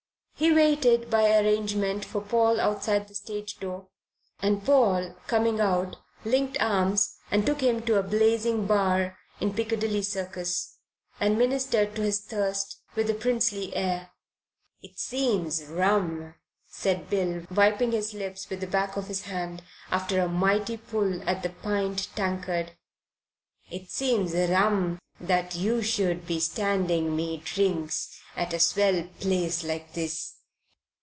He waited, by arrangement, for Paul outside the stage door, and Paul, coming out, linked arms and took him to a blazing bar in Piccadilly Circus and ministered to his thirst, with a princely air. "It seems rum," said Bill, wiping his lips with the back of his hand, after a mighty pull at the pint tankard "it seems rum that you should be standing me drinks at a swell place like this.